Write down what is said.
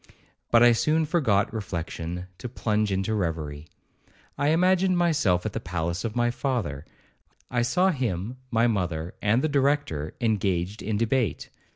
But I soon forgot reflection, to plunge into reverie. I imagined myself at the palace of my father; I saw him, my mother, and the Director, engaged in debate.